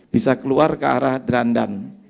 bisa keluar ke arah drandan